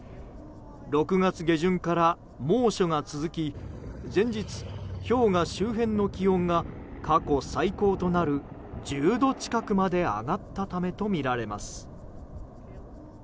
６月下旬から猛暑が続き前日、氷河周辺の気温が過去最高となる１０度近くまで上がったためとみられます。